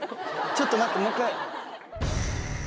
ちょっと待ってもう一回。